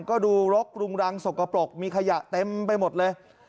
ก็ดูรกรุงรังสกปรกมีขยะเต็มไปหมดเลย